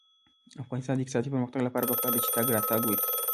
د افغانستان د اقتصادي پرمختګ لپاره پکار ده چې تګ راتګ وي.